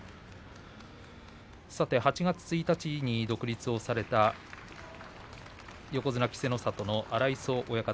８月１日に独立をされた横綱稀勢の里の荒磯親方。